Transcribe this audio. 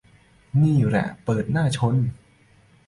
นี่แหละเปิดหน้าชน